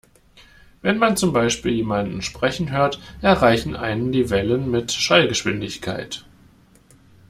Wenn man zum Beispiel jemanden sprechen hört, erreichen einen die Wellen mit Schallgeschwindigkeit.